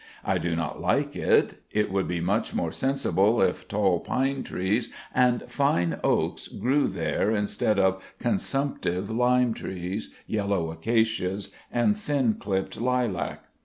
I do not like it. It would be much more sensible if tall pine trees and fine oaks grew there instead of consumptive lime trees, yellow acacias and thin clipped lilac.